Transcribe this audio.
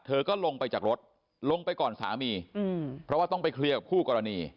ก็ลงไปจากรถลงไปก่อนสามีเพราะว่าต้องไปเคลียร์กับคู่กรณี